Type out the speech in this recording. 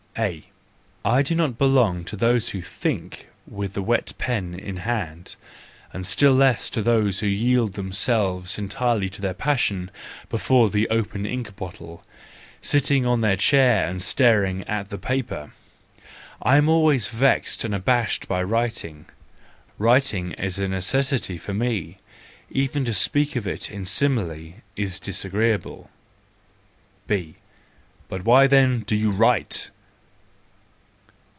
—A: I do not belong to those who think with the wet pen in hand; and still less to those who yield themselves entirely to their passions before the open ink bottle, sitting on their chair and staring at the paper. I am always vexed and abashed by writing ; writing is a necessity for me,—even to speak of it in a simile is disagreeable. B : But why, then, do you write?